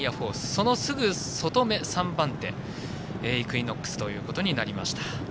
そのすぐ外め、３番手イクイノックスということになりました。